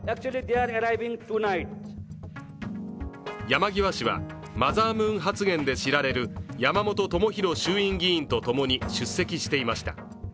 山際氏は、マザームーン発言で知られる山本朋広衆院議員とともに出席していました。